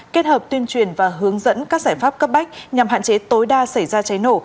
kết hợp tuyên truyền và hướng dẫn các giải pháp cấp bách nhằm hạn chế tối đa xảy ra cháy nổ